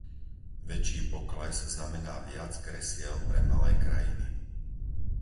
Väčší pokles znamená viac kresiel pre malé krajiny.